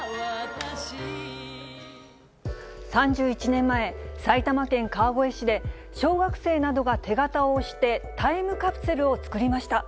３１年前、埼玉県川越市で、小学生などが手形を押して、タイムカプセルを作りました。